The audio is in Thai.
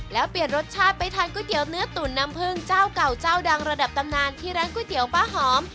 แล้วเปลี่ยนรสชาติไปทานก๋วยเตี๋ยวเนื้อตุ๋นน้ำผึ้งเจ้าเก่าเจ้าดังระดับตำนานที่ร้านก๋วยเตี๋ยวป้าหอม